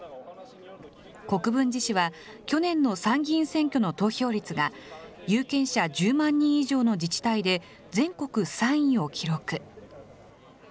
国分寺市は去年の参議院選挙の投票率が、有権者１０万人以上の自治体で全国３位を記録。